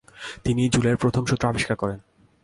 তিনি জুলের প্রথম সূত্র আবিষ্কার করেন।